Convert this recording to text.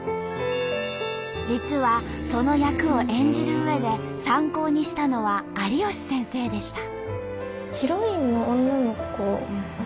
実はその役を演じるうえで参考にしたのは有吉先生でした。